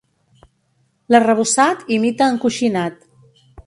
L'arrebossat imita encoixinat.